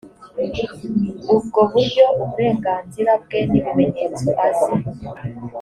ubwo buryo uburenganzira bwe n ibimenyetso azi